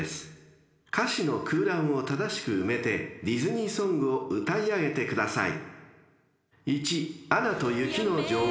［歌詞の空欄を正しく埋めてディズニーソングを歌い上げてください］